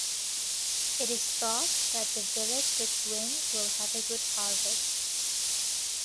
It is thought that the village which wins will have a good harvest.